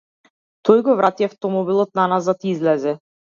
Тој го врати автомобилот наназад и излезе.